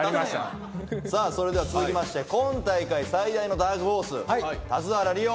それでは続きまして今大会最大のダークホース田津原理音。